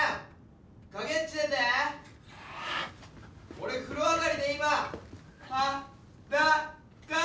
・俺風呂上がりで今ハ・ダ・カ！